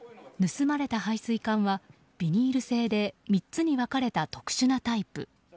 盗まれた排水管はビニール製で３つに分かれた特殊なタイプ。